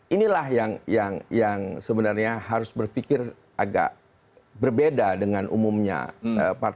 inilah yang sebenarnya harus berpikir agak berbeda dengan umumnya partai